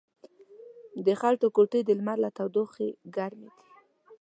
د خټو کوټې د لمر له تودوخې ګرمې دي.